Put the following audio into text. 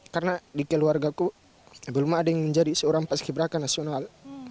karena di keluarga ku belum ada yang menjadi seorang paskir berakan nasional